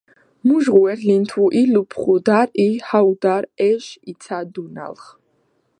მუჟღუ̂ერ, ლინთუ̂ ი ლუფხუ̂ და̈რ ი ჰაუ̂და̈რ ეშ იცა̄დუნა̄̈ლხ.